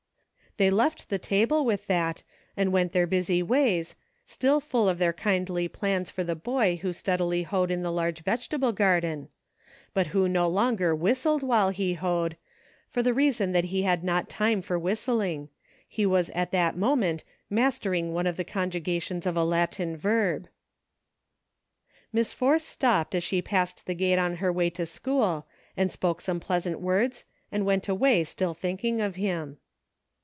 They left the table with that and went their busy ways, still full of their kindly plans for the boy who steadily hoed in the large vegetable gar den ; but who no longer whistled while he hoed, for the reason that he had not time for whistling ; he was at that moment mastering one of the con jugations of a Latin verb. Miss Force stopped as she passed the gate on her way to school and spoke some pleasant words and went away still thinking of him.